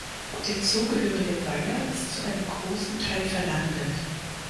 Der zugehörige Weiher ist zu einem grossen Teil verlandet.